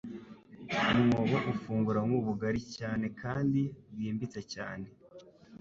umwobo ufungura nk'ubugari cyane kandi bwimbitse cyane